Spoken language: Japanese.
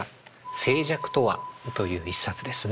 「静寂とは」という一冊ですね。